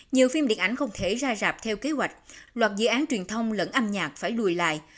nhiều phim điện ảnh không thể ra rạp theo kế hoạch loạt dự án truyền thông lẫn âm nhạc phải lùi lại